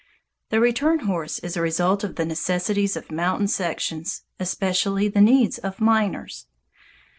The return horse is a result of the necessities of mountain sections, especially the needs of miners.